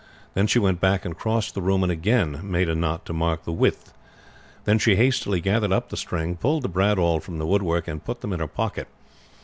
Then she went back and crossed the room, and again make a knot to mark the width. Then she hastily gathered up the string, pulled the brad awl from the woodwork, and put them in her pocket.